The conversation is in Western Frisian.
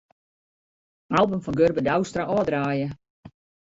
Album fan Gurbe Douwstra ôfdraaie.